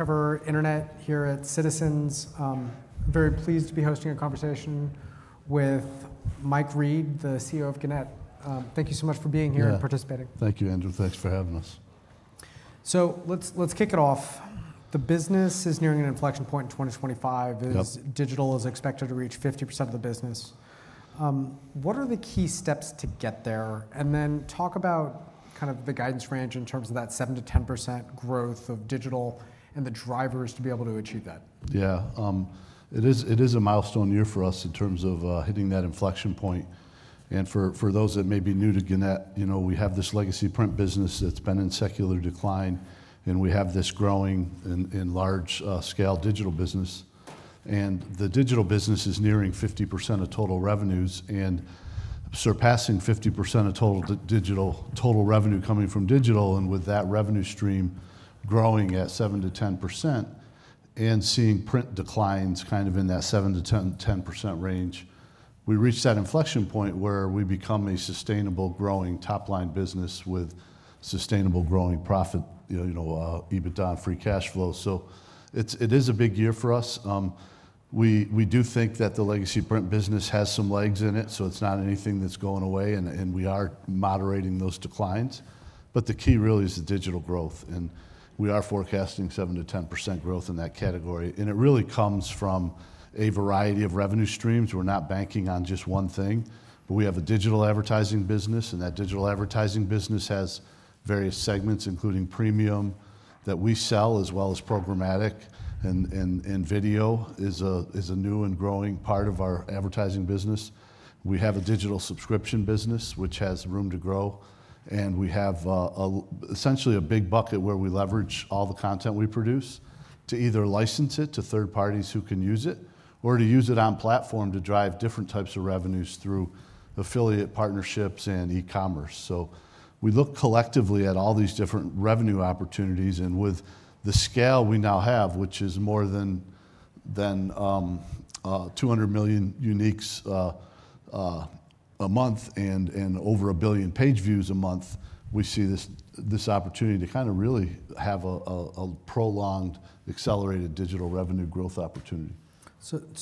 Cover Internet here at Citizens. I'm very pleased to be hosting a conversation with Michael Reed, the CEO of Gannett. Thank you so much for being here and participating. Thank you, Andrew. Thanks for having us. Let's kick it off. The business is nearing an inflection point in 2025. Digital is expected to reach 50% of the business. What are the key steps to get there? Talk about kind of the guidance range in terms of that 7%-10% growth of digital and the drivers to be able to achieve that. Yeah, it is a milestone year for us in terms of hitting that inflection point. For those that may be new to Gannett, we have this legacy print business that's been in secular decline, and we have this growing and large-scale digital business. The digital business is nearing 50% of total revenues and surpassing 50% of total digital total revenue coming from digital. With that revenue stream growing at 7%-10% and seeing print declines kind of in that 7%-10% range, we reach that inflection point where we become a sustainable, growing top-line business with sustainable, growing profit, EBITDA, and free cash flow. It is a big year for us. We do think that the legacy print business has some legs in it, so it's not anything that's going away, and we are moderating those declines. The key really is the digital growth, and we are forecasting 7%-10% growth in that category. It really comes from a variety of revenue streams. We're not banking on just one thing, but we have a digital advertising business, and that digital advertising business has various segments, including premium that we sell, as well as programmatic. Video is a new and growing part of our advertising business. We have a digital subscription business, which has room to grow, and we have essentially a big bucket where we leverage all the content we produce to either license it to third parties who can use it or to use it on platform to drive different types of revenues through affiliate partnerships and e-commerce. We look collectively at all these different revenue opportunities, and with the scale we now have, which is more than 200 million uniques a month and over 1 billion page views a month, we see this opportunity to kind of really have a prolonged, accelerated digital revenue growth opportunity.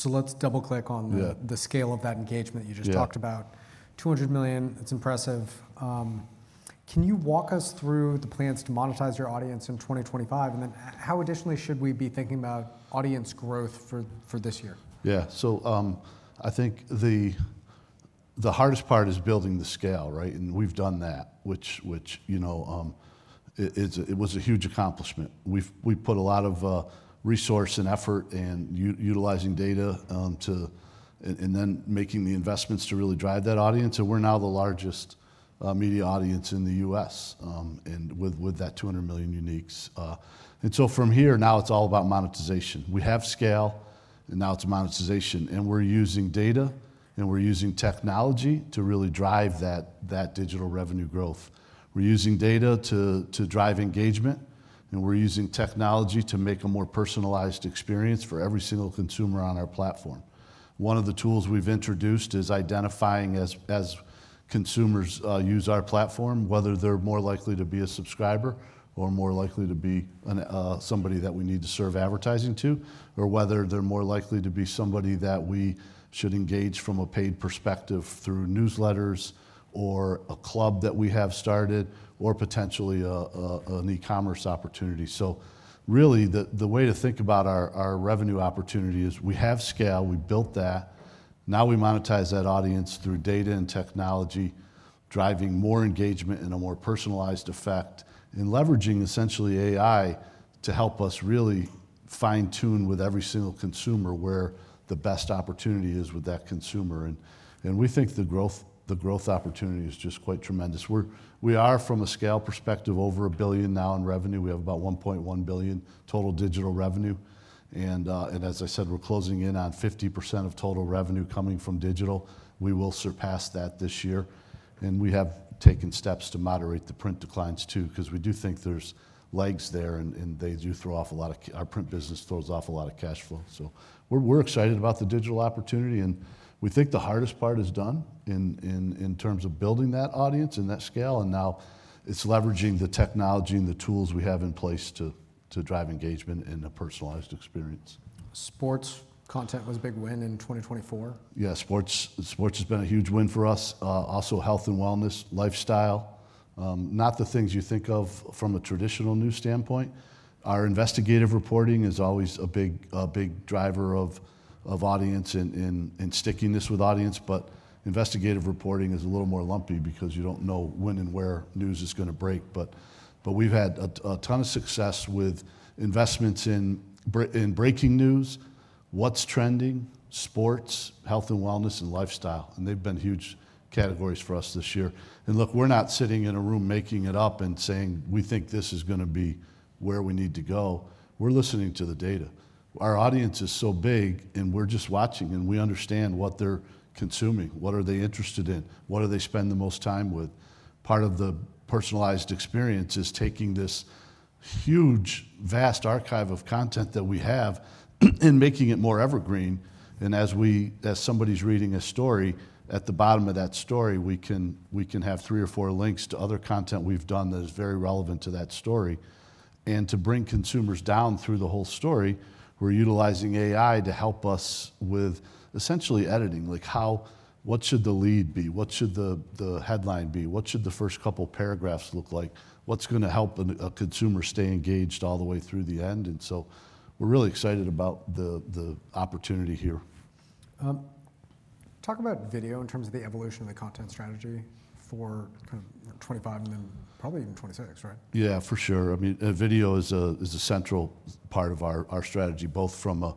Let's double-click on the scale of that engagement that you just talked about. 200 million, it's impressive. Can you walk us through the plans to monetize your audience in 2025? And then how additionally should we be thinking about audience growth for this year? Yeah, so I think the hardest part is building the scale, right? We've done that, which was a huge accomplishment. We've put a lot of resource and effort and utilizing data and then making the investments to really drive that audience. We're now the largest media audience in the U.S. with that 200 million uniques. From here, now it's all about monetization. We have scale, and now it's monetization. We're using data, and we're using technology to really drive that digital revenue growth. We're using data to drive engagement, and we're using technology to make a more personalized experience for every single consumer on our platform. One of the tools we've introduced is identifying as consumers use our platform, whether they're more likely to be a subscriber or more likely to be somebody that we need to serve advertising to, or whether they're more likely to be somebody that we should engage from a paid perspective through newsletters or a club that we have started or potentially an e-commerce opportunity. Really, the way to think about our revenue opportunity is we have scale, we built that, now we monetize that audience through data and technology, driving more engagement in a more personalized effect and leveraging essentially AI to help us really fine-tune with every single consumer where the best opportunity is with that consumer. We think the growth opportunity is just quite tremendous. We are, from a scale perspective, over a billion now in revenue. We have about $1.1 billion total digital revenue. As I said, we're closing in on 50% of total revenue coming from digital. We will surpass that this year. We have taken steps to moderate the print declines too because we do think there's legs there, and they do throw off a lot of our print business throws off a lot of cash flow. We're excited about the digital opportunity, and we think the hardest part is done in terms of building that audience and that scale. Now it's leveraging the technology and the tools we have in place to drive engagement and a personalized experience. Sports content was a big win in 2024. Yeah, sports has been a huge win for us. Also, health and wellness, lifestyle, not the things you think of from a traditional news standpoint. Our investigative reporting is always a big driver of audience and stickiness with audience. Investigative reporting is a little more lumpy because you don't know when and where news is going to break. We've had a ton of success with investments in breaking news, what's trending, sports, health and wellness, and lifestyle. They've been huge categories for us this year. Look, we're not sitting in a room making it up and saying, "We think this is going to be where we need to go." We're listening to the data. Our audience is so big, and we're just watching, and we understand what they're consuming, what are they interested in, what do they spend the most time with. Part of the personalized experience is taking this huge, vast archive of content that we have and making it more evergreen. As somebody's reading a story, at the bottom of that story, we can have three or four links to other content we've done that is very relevant to that story. To bring consumers down through the whole story, we're utilizing AI to help us with essentially editing. Like what should the lead be? What should the headline be? What should the first couple of paragraphs look like? What's going to help a consumer stay engaged all the way through the end? We're really excited about the opportunity here. Talk about video in terms of the evolution of the content strategy for kind of 2025 and then probably even 2026, right? Yeah, for sure. I mean, video is a central part of our strategy, both from a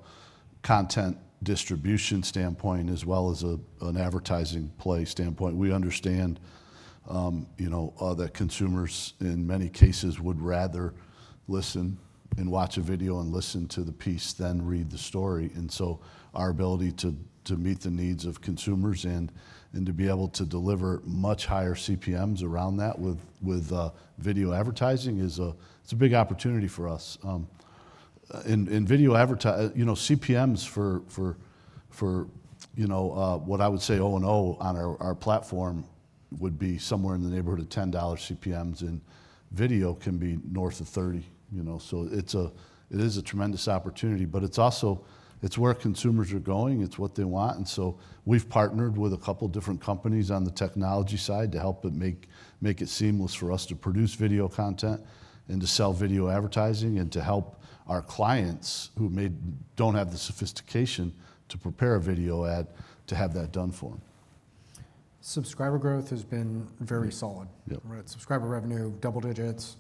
content distribution standpoint as well as an advertising play standpoint. We understand that consumers, in many cases, would rather listen and watch a video and listen to the piece than read the story. Our ability to meet the needs of consumers and to be able to deliver much higher CPMs around that with video advertising is a big opportunity for us. In video advertising, CPMs for what I would say zero and zero on our platform would be somewhere in the neighborhood of $10 CPMs, and video can be north of 30. It is a tremendous opportunity, but it is where consumers are going. It is what they want. We have partnered with a couple of different companies on the technology side to help make it seamless for us to produce video content and to sell video advertising and to help our clients who do not have the sophistication to prepare a video ad to have that done for them. Subscriber growth has been very solid. Subscriber revenue, double digits.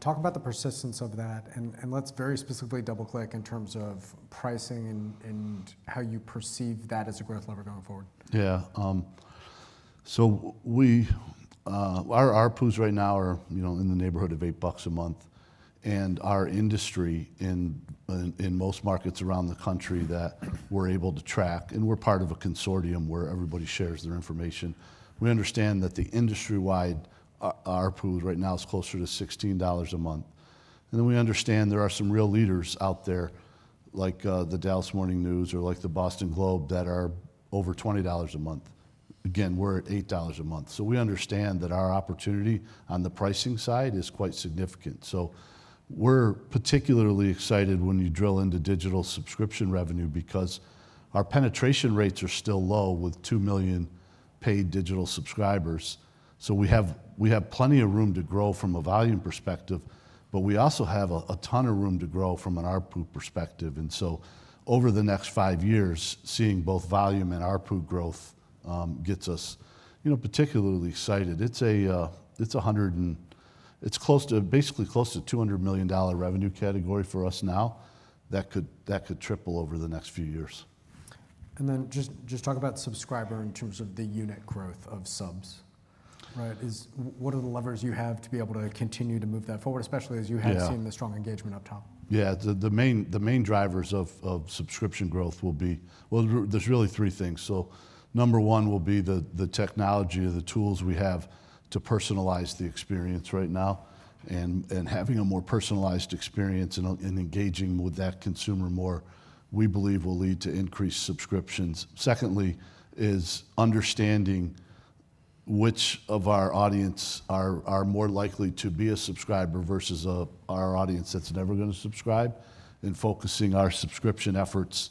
Talk about the persistence of that, and let's very specifically double-click in terms of pricing and how you perceive that as a growth lever going forward. Yeah. Our RPUs right now are in the neighborhood of $8 a month, and our industry in most markets around the country that we're able to track, and we're part of a consortium where everybody shares their information. We understand that the industry-wide RPU right now is closer to $16 a month. We understand there are some real leaders out there, like the Dallas Morning News or like the Boston Globe, that are over $20 a month. Again, we're at $8 a month. We understand that our opportunity on the pricing side is quite significant. We're particularly excited when you drill into digital subscription revenue because our penetration rates are still low with 2 million paid digital subscribers. We have plenty of room to grow from a volume perspective, but we also have a ton of room to grow from an RPU perspective. Over the next five years, seeing both volume and RPU growth gets us particularly excited. It's basically close to a $200 million revenue category for us now that could triple over the next few years. Just talk about subscriber in terms of the unit growth of subs, right? What are the levers you have to be able to continue to move that forward, especially as you have seen the strong engagement up top? Yeah, the main drivers of subscription growth will be, there's really three things. Number one will be the technology or the tools we have to personalize the experience right now. Having a more personalized experience and engaging with that consumer more, we believe, will lead to increased subscriptions. Secondly is understanding which of our audience are more likely to be a subscriber versus our audience that's never going to subscribe and focusing our subscription efforts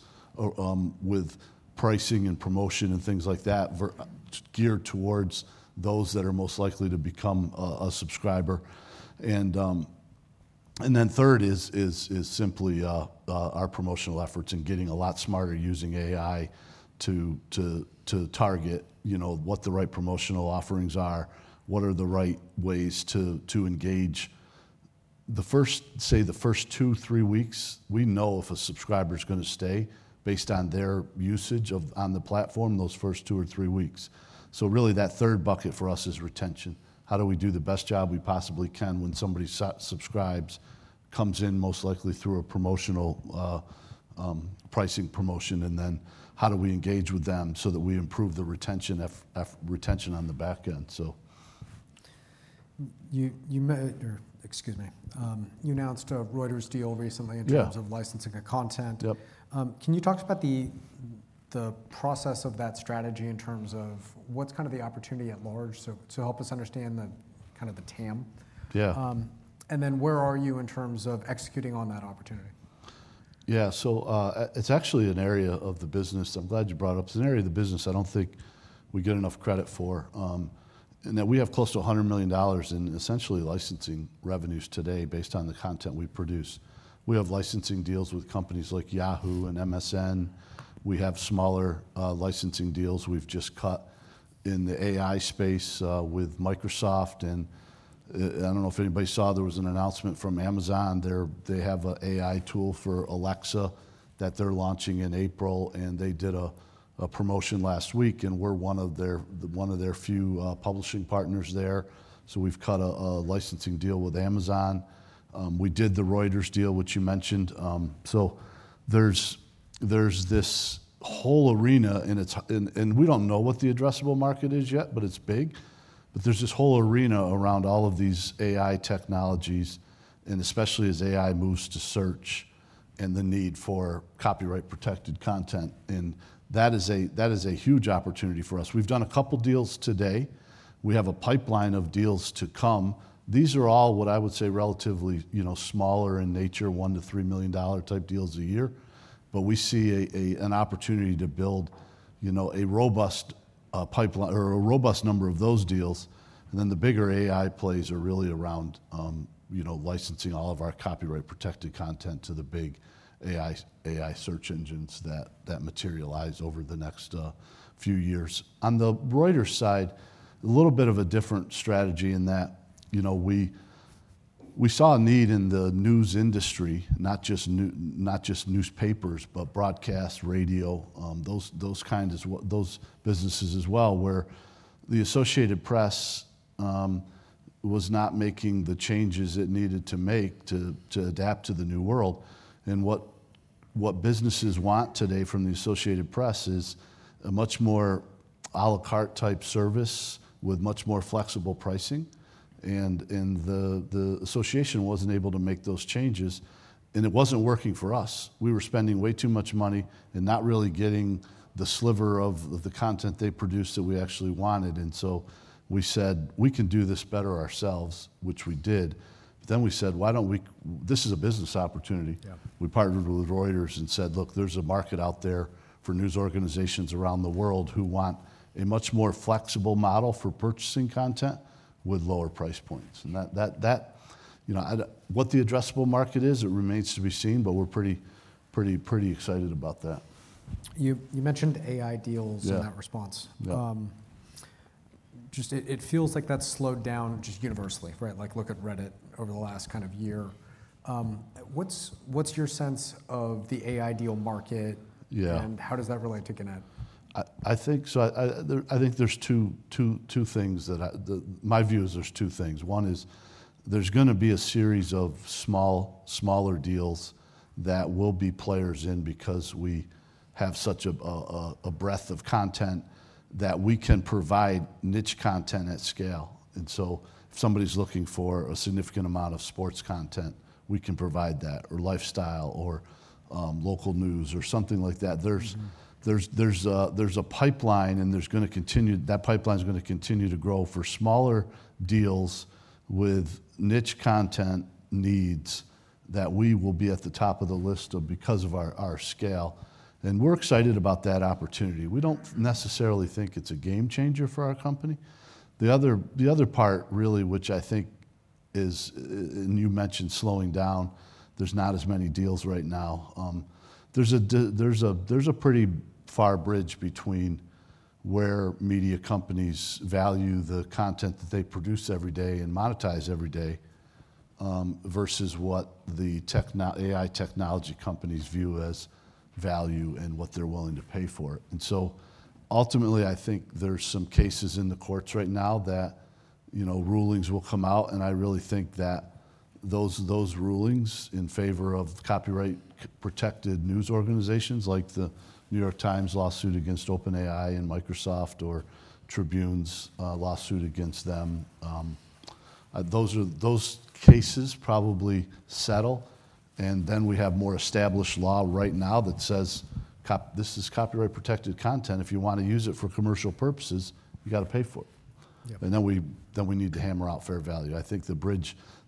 with pricing and promotion and things like that geared towards those that are most likely to become a subscriber. Third is simply our promotional efforts and getting a lot smarter using AI to target what the right promotional offerings are, what are the right ways to engage. Say the first two, three weeks, we know if a subscriber is going to stay based on their usage on the platform those first two or three weeks. Really that third bucket for us is retention. How do we do the best job we possibly can when somebody subscribes, comes in most likely through a promotional pricing promotion, and then how do we engage with them so that we improve the retention on the back end? You announced a Reuters deal recently in terms of licensing the content. Can you talk about the process of that strategy in terms of what's kind of the opportunity at large? Help us understand kind of the TAM. Where are you in terms of executing on that opportunity? Yeah, so it's actually an area of the business. I'm glad you brought up. It's an area of the business I don't think we get enough credit for. We have close to $100 million in essentially licensing revenues today based on the content we produce. We have licensing deals with companies like Yahoo and MSN. We have smaller licensing deals we've just cut in the AI space with Microsoft. I don't know if anybody saw there was an announcement from Amazon. They have an AI tool for Alexa that they're launching in April, and they did a promotion last week, and we're one of their few publishing partners there. We've cut a licensing deal with Amazon. We did the Reuters deal, which you mentioned. There's this whole arena, and we don't know what the addressable market is yet, but it's big. There is this whole arena around all of these AI technologies, and especially as AI moves to search and the need for copyright-protected content. That is a huge opportunity for us. We've done a couple of deals today. We have a pipeline of deals to come. These are all what I would say relatively smaller in nature, $1-$3 million type deals a year. We see an opportunity to build a robust pipeline or a robust number of those deals. The bigger AI plays are really around licensing all of our copyright-protected content to the big AI search engines that materialize over the next few years. On the Reuters side, a little bit of a different strategy in that we saw a need in the news industry, not just newspapers, but broadcast, radio, those businesses as well, where the Associated Press was not making the changes it needed to make to adapt to the new world. What businesses want today from the Associated Press is a much more à la carte type service with much more flexible pricing. The association was not able to make those changes, and it was not working for us. We were spending way too much money and not really getting the sliver of the content they produced that we actually wanted. We said, "We can do this better ourselves," which we did. We said, "Why don't we? This is a business opportunity. We partnered with Reuters and said, "Look, there's a market out there for news organizations around the world who want a much more flexible model for purchasing content with lower price points." What the addressable market is, it remains to be seen, but we're pretty excited about that. You mentioned AI deals in that response. It feels like that's slowed down just universally, right? Like look at Reddit over the last kind of year. What's your sense of the AI deal market, and how does that relate to Gannett? I think there's two things that my view is there's two things. One is there's going to be a series of smaller deals that we will be players in because we have such a breadth of content that we can provide niche content at scale. If somebody's looking for a significant amount of sports content, we can provide that or lifestyle or local news or something like that. There's a pipeline, and that pipeline is going to continue to grow for smaller deals with niche content needs that we will be at the top of the list because of our scale. We're excited about that opportunity. We do not necessarily think it's a game changer for our company. The other part really, which I think is, and you mentioned slowing down, there's not as many deals right now. There's a pretty far bridge between where media companies value the content that they produce every day and monetize every day versus what the AI technology companies view as value and what they're willing to pay for it. Ultimately, I think there's some cases in the courts right now that rulings will come out, and I really think that those rulings in favor of copyright-protected news organizations like the New York Times lawsuit against OpenAI and Microsoft or Tribune's lawsuit against them, those cases probably settle. We have more established law right now that says this is copyright-protected content. If you want to use it for commercial purposes, you got to pay for it. We need to hammer out fair value. I think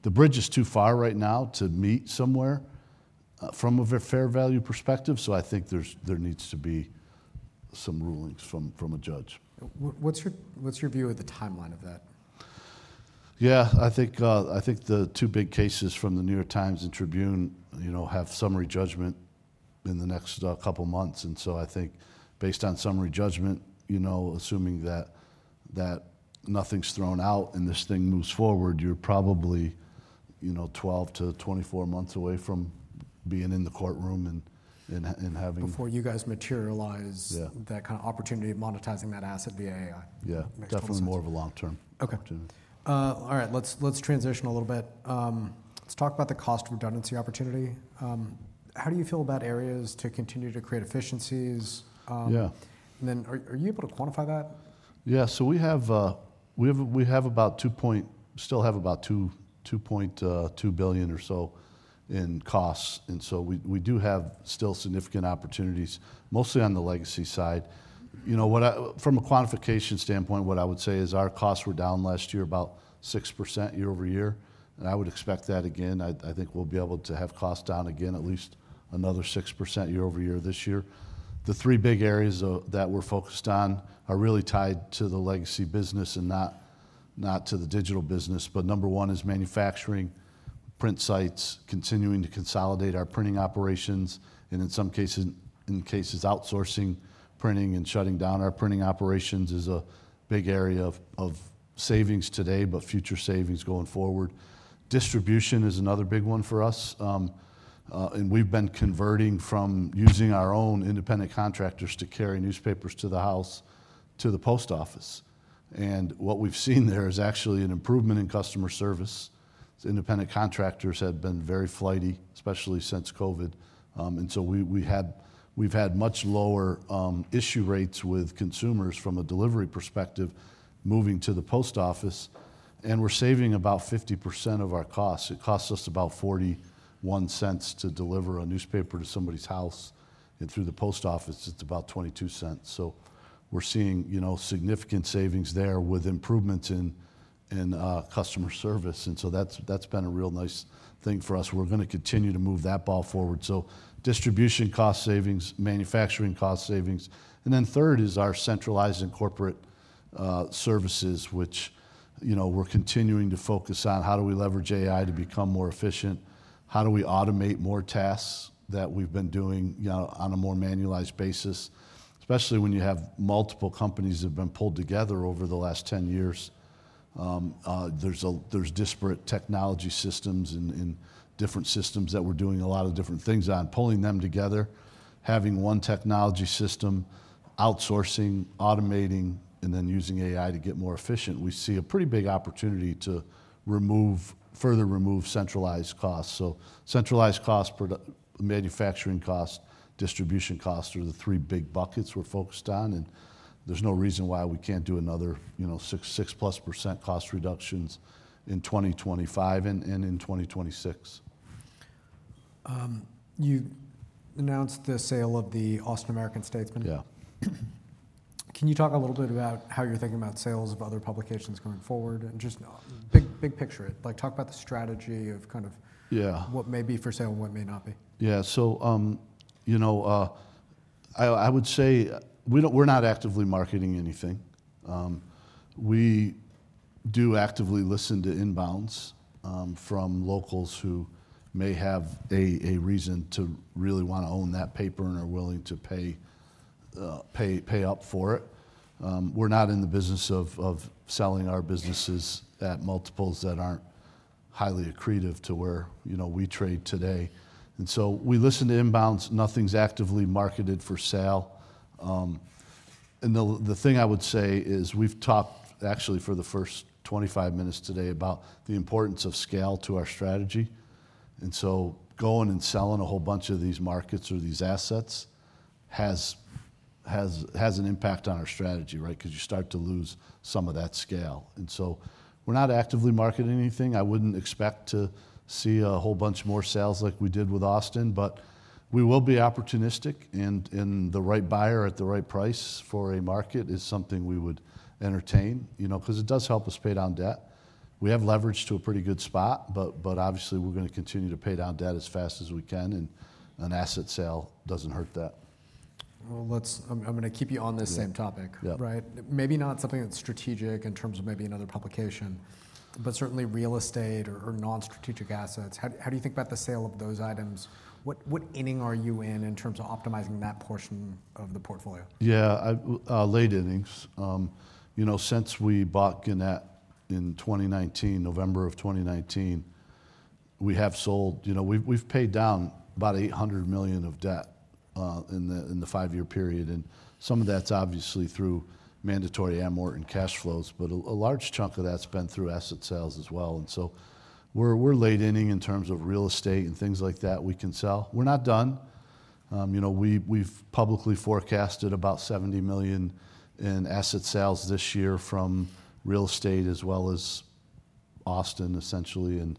the bridge is too far right now to meet somewhere from a fair value perspective. I think there needs to be some rulings from a judge. What's your view of the timeline of that? Yeah, I think the two big cases from the New York Times and Tribune have summary judgment in the next couple of months. I think based on summary judgment, assuming that nothing's thrown out and this thing moves forward, you're probably 12 to 24 months away from being in the courtroom and having. Before you guys materialize that kind of opportunity of monetizing that asset via AI. Yeah, definitely more of a long-term opportunity. All right, let's transition a little bit. Let's talk about the cost redundancy opportunity. How do you feel about areas to continue to create efficiencies? And then are you able to quantify that? Yeah, so we have about $2.2 billion or so in costs. We do have still significant opportunities, mostly on the legacy side. From a quantification standpoint, what I would say is our costs were down last year about 6% year over year. I would expect that again. I think we'll be able to have costs down again at least another 6% year over year this year. The three big areas that we're focused on are really tied to the legacy business and not to the digital business. Number one is manufacturing, print sites, continuing to consolidate our printing operations, and in some cases, outsourcing printing and shutting down our printing operations is a big area of savings today, but future savings going forward. Distribution is another big one for us. We have been converting from using our own independent contractors to carry newspapers to the house to the post office. What we have seen there is actually an improvement in customer service. Independent contractors have been very flighty, especially since COVID. We have had much lower issue rates with consumers from a delivery perspective moving to the post office. We are saving about 50% of our costs. It costs us about $0.41 to deliver a newspaper to somebody's house, and through the post office, it is about $0.22. We are seeing significant savings there with improvements in customer service. That has been a real nice thing for us. We are going to continue to move that ball forward. Distribution cost savings, manufacturing cost savings, and then third is our centralized and corporate services, which we are continuing to focus on. How do we leverage AI to become more efficient? How do we automate more tasks that we've been doing on a more manualized basis? Especially when you have multiple companies that have been pulled together over the last 10 years. There are disparate technology systems and different systems that we're doing a lot of different things on, pulling them together, having one technology system, outsourcing, automating, and then using AI to get more efficient. We see a pretty big opportunity to further remove centralized costs. Centralized costs, manufacturing costs, distribution costs are the three big buckets we're focused on. There is no reason why we can't do another 6%+ cost reductions in 2025 and in 2026. You announced the sale of the Austin American-Statesman. Can you talk a little bit about how you're thinking about sales of other publications going forward and just big picture? Talk about the strategy of kind of what may be for sale and what may not be. Yeah, so I would say we're not actively marketing anything. We do actively listen to inbounds from locals who may have a reason to really want to own that paper and are willing to pay up for it. We're not in the business of selling our businesses at multiples that aren't highly accretive to where we trade today. We listen to inbounds. Nothing's actively marketed for sale. The thing I would say is we've talked actually for the first 25 minutes today about the importance of scale to our strategy. Going and selling a whole bunch of these markets or these assets has an impact on our strategy, right? Because you start to lose some of that scale. We're not actively marketing anything. I wouldn't expect to see a whole bunch more sales like we did with Austin, but we will be opportunistic. The right buyer at the right price for a market is something we would entertain because it does help us pay down debt. We have leverage to a pretty good spot, but obviously we're going to continue to pay down debt as fast as we can. An asset sale doesn't hurt that. I'm going to keep you on this same topic, right? Maybe not something that's strategic in terms of maybe another publication, but certainly real estate or non-strategic assets. How do you think about the sale of those items? What inning are you in in terms of optimizing that portion of the portfolio? Yeah, late innings. Since we bought Gannett in November of 2019, we have sold, we've paid down about $800 million of debt in the five-year period. Some of that's obviously through mandatory Amort and cash flows, but a large chunk of that's been through asset sales as well. We're late inning in terms of real estate and things like that we can sell. We're not done. We've publicly forecasted about $70 million in asset sales this year from real estate as well as Austin, essentially.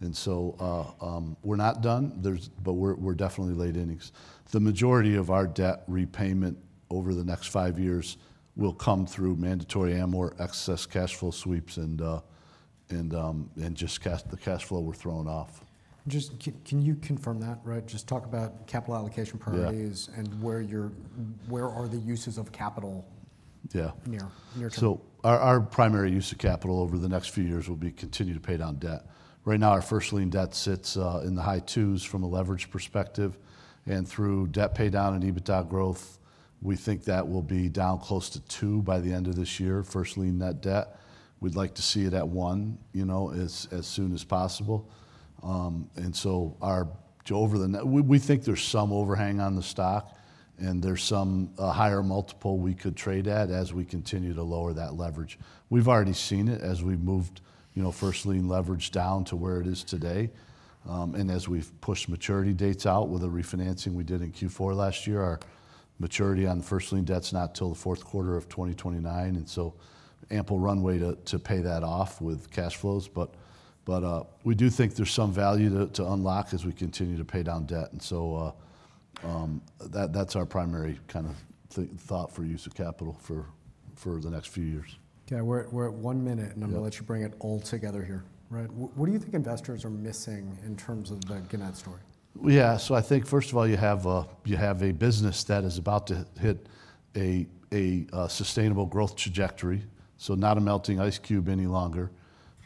We're not done, but we're definitely late innings. The majority of our debt repayment over the next five years will come through mandatory Amort, excess cash flow sweeps, and just the cash flow we're throwing off. Can you confirm that, right? Just talk about capital allocation priorities and where are the uses of capital near to. Our primary use of capital over the next few years will be to continue to pay down debt. Right now, our first lien debt sits in the high twos from a leverage perspective. Through debt pay down and EBITDA growth, we think that will be down close to two by the end of this year, first lien net debt. We'd like to see it at one as soon as possible. We think there's some overhang on the stock, and there's some higher multiple we could trade at as we continue to lower that leverage. We've already seen it as we've moved first lien leverage down to where it is today. As we've pushed maturity dates out with a refinancing we did in Q4 last year, our maturity on first lien debt is not until the fourth quarter of 2029. We do think there's some value to unlock as we continue to pay down debt. That is our primary kind of thought for use of capital for the next few years. There is ample runway to pay that off with cash flows. Okay, we're at one minute, and I'm going to let you bring it all together here, right? What do you think investors are missing in terms of the Gannett story? Yeah, so I think first of all, you have a business that is about to hit a sustainable growth trajectory. Not a melting ice cube any longer,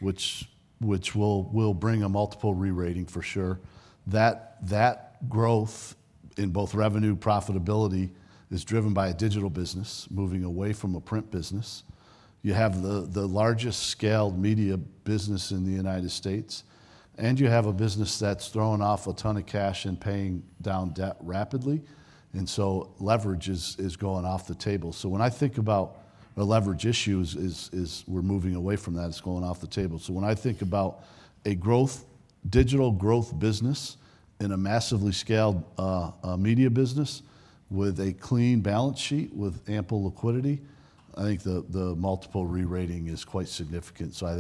which will bring a multiple re-rating for sure. That growth in both revenue, profitability is driven by a digital business moving away from a print business. You have the largest scaled media business in the United States, and you have a business that's throwing off a ton of cash and paying down debt rapidly. Leverage is going off the table. When I think about a leverage issue, we're moving away from that. It's going off the table. When I think about a digital growth business in a massively scaled media business with a clean balance sheet with ample liquidity, I think the multiple re-rating is quite significant. I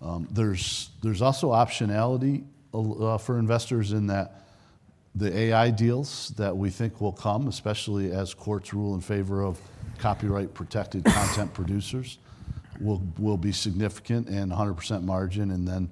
think there's also optionality for investors in that the AI deals that we think will come, especially as courts rule in favor of copyright-protected content producers, will be significant and 100% margin.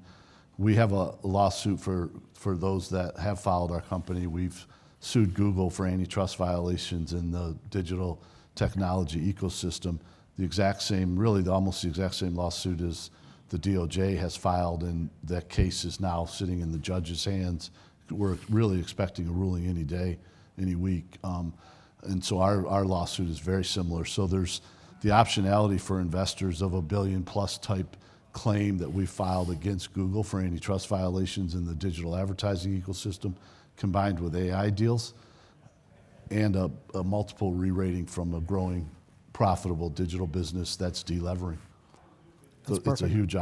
We have a lawsuit for those that have filed our company. We've sued Google for antitrust violations in the digital technology ecosystem. The exact same, really almost the exact same lawsuit as the DOJ has filed, and that case is now sitting in the judge's hands. We're really expecting a ruling any day, any week. Our lawsuit is very similar. There's the optionality for investors of a billion plus type claim that we filed against Google for antitrust violations in the digital advertising ecosystem, combined with AI deals and a multiple re-rating from a growing profitable digital business that's delivering. That's perfect. It's huge.